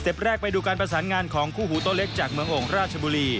แรกไปดูการประสานงานของคู่หูโต๊ะเล็กจากเมืองโอ่งราชบุรี